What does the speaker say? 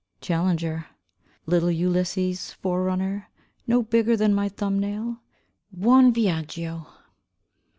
Challenger. Little Ulysses, fore runner, No bigger than my thumb nail, Buon viaggio.